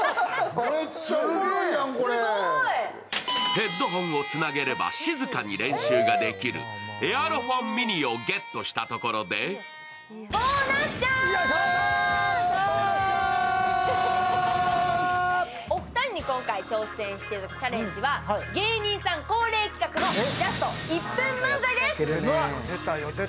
ヘッドホンをつなげれば静かに練習できるエアロフォンミニをゲットしたところでお二人に今回挑戦していただくチャレンジは芸人さん恒例企画です。